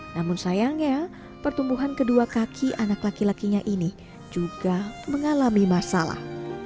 namun sayangnya pertumbuhan kedua kaki anak laki lakinya ini juga mengalami masalah